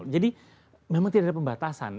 jadi memang tidak ada pembatasan